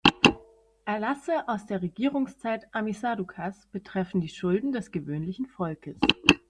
Erlasse aus der Regierungszeit Ammi-ṣaduqas betreffen die Schulden des gewöhnlichen Volkes.